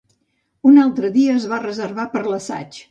Un altre dia es va reservar per a l'assaig.